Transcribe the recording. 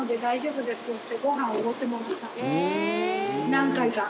何回か。